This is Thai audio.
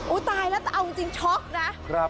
โอ้ตายแล้วเอาจริงความช็อกนะ